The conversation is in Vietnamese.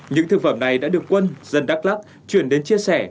những thực phẩm này đã được quân dân đắk lắc chuyển đến chia sẻ